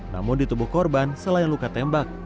namun di tubuh korban selain luka tembak